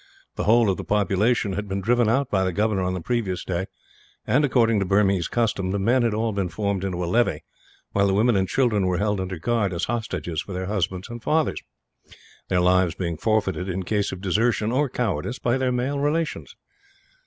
The whole of the population had been driven out by the governor on the previous day and, according to Burmese custom, the men had all been formed into a levy, while the women and children were held under guard, as hostages for their husbands and fathers their lives being forfeited in case of desertion, or cowardice, by their male relations.